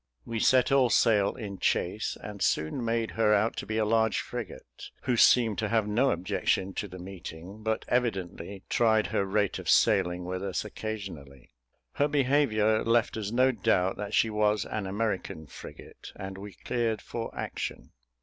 We set all sail in chase, and soon made her out to be a large frigate, who seemed to have no objection to the meeting, but evidently tried her rate of sailing with us occasionally: her behaviour left us no doubt that she was an American frigate, and we cleared for action.